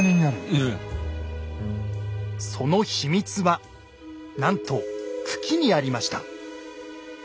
その秘密はなんと茎にありました。